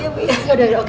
ya udah ya udah oke oke